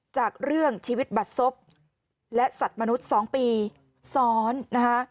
จากเรื่องชีวิตบัตรศพและสัตว์มนุษย์๒ปีซ้อนนะคะ